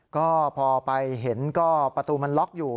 ก็พอไปเห็นก็ประตูมันล็อกอยู่